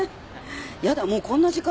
やだもうこんな時間。